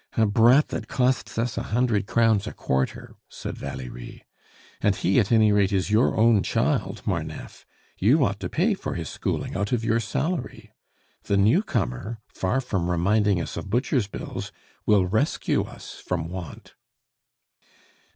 "A brat that costs us a hundred crowns a quarter!" said Valerie. "And he, at any rate, is your own child, Marneffe. You ought to pay for his schooling out of your salary. The newcomer, far from reminding us of butcher's bills, will rescue us from want."